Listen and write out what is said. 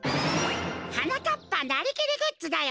はなかっぱなりきりグッズだよ！